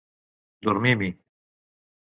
Dormim-hi!